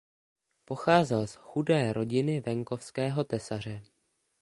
Pocházel z chudé rodiny venkovského tesaře.